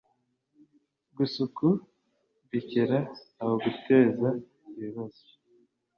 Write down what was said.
gasuku rekera aho guteza ibibazo